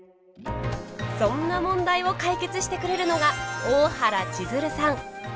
そんな問題を解決してくれるのが大原千鶴さん。